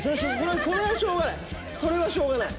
それはしょうがない。